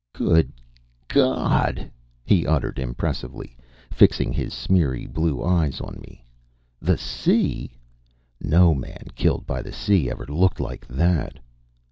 "Good God!" he uttered, impressively, fixing his smeary blue eyes on me. "The sea! No man killed by the sea ever looked like that."